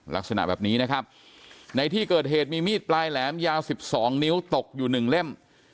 ลักษณะแบบนี้นะครับในที่เกิดเหตุมีมีดปลายแหลมยาว๑๒นิ้วตกอยู่๑เล่ม